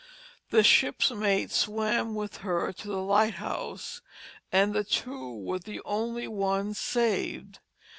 The ship's mate swam with her to the lighthouse, and the two were the only ones saved.